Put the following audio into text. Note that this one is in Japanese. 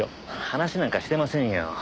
話なんかしてませんよ。